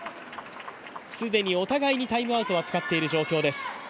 既にお互いにタイムアウトは使っている状況です。